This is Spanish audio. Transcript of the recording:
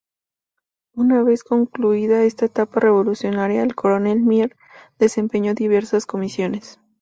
Una vez concluida esta etapa revolucionaria, el coronel Mier desempeñó diversas comisiones.